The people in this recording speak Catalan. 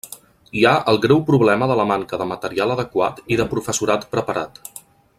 Hi ha el greu problema de la manca de material adequat i de professorat preparat.